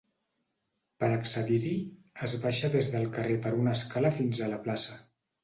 Per a accedir-hi, es baixa des del carrer per una escala fins a la plaça.